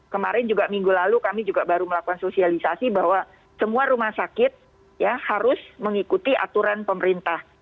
kemarin juga minggu lalu kami juga baru melakukan sosialisasi bahwa semua rumah sakit harus mengikuti aturan pemerintah